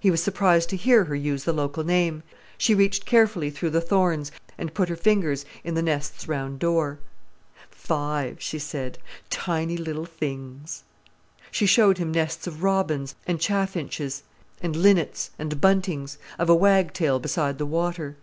He was surprised to hear her use the local name. She reached carefully through the thorns, and put her fingers in the nest's round door. "Five!" she said. "Tiny little things." She showed him nests of robins, and chaffinches, and linnets, and buntings; of a wagtail beside the water.